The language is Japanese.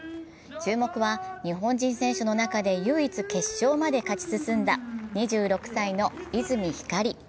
注目は、日本人選手の中で唯一、決勝まで勝ち進んだ２６歳の泉ひかり。